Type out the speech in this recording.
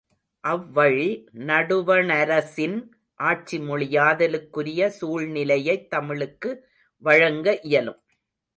அவ்வழி நடுவணரசின் ஆட்சிமொழியாதலுக்குரிய சூழ்நிலையைத் தமிழுக்கு வழங்க இயலும்.